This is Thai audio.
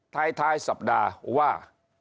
ท้ายสัปดาห์ว่า